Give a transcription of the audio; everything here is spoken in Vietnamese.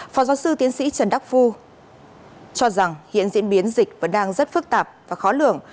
phó giáo sư tiến sĩ trần đắc phu cho rằng hiện diễn biến dịch vẫn đang rất phức tạp và khó lường